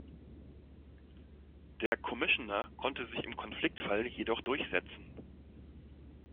Der Commissioner konnte sich im Konfliktfall jedoch durchsetzen.